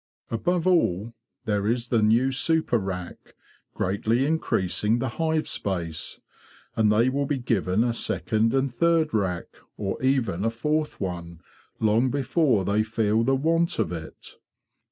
Above all, there is the new super rack, greatly increasing the hive space, and they will be given a second and third rack, or even a fourth one, long before they feel the want of it.